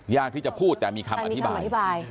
ยากที่จะพูดแต่มีคำอธิบายอธิบาย